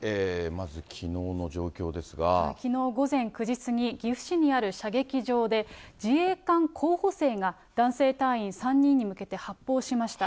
きのう午前９時過ぎ、岐阜市にある射撃場で、自衛官候補生が男性隊員３人に向けて発砲しました。